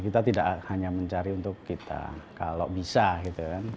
kita tidak hanya mencari untuk kita kalau bisa gitu kan